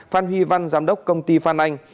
phan huy văn giám đốc công ty phan anh